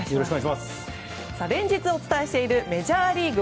連日、お伝えしているメジャーリーグ。